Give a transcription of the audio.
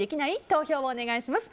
投票をお願いします。